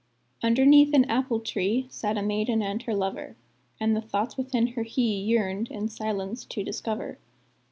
Underneath an apple tree Sat a maiden and her lover; And the thoughts within her he Yearned, in silence, to discover.